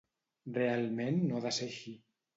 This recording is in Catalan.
Realment no ha de ser així.